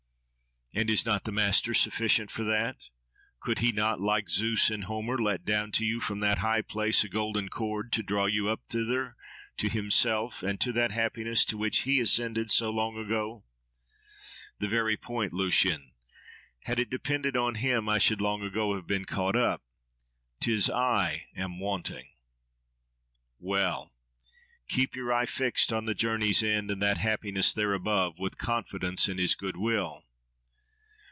—And is not the master sufficient for that? Could he not, like Zeus in Homer, let down to you, from that high place, a golden cord, to draw you up thither, to himself and to that Happiness, to which he ascended so long ago? —The very point, Lucian! Had it depended on him I should long ago have been caught up. 'Tis I, am wanting. —Well! keep your eye fixed on the journey's end, and that happiness there above, with confidence in his goodwill.